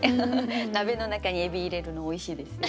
鍋の中にエビ入れるのおいしいですよね。